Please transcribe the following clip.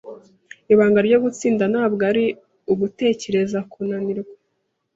Ibanga ryo gutsinda ntabwo ari ugutekereza kunanirwa.